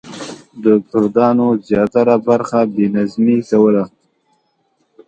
د کردانو زیاتره برخه بې نظمي کوله.